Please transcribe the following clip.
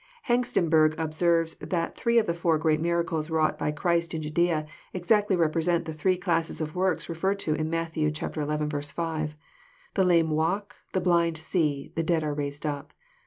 Hengstenberg observes that three of the four great miracles wrought by Christ in Judcea exactly represent the three classes of works referred to in Matt. xi. 6, " The lame walk, the blind see, the dead are raised up."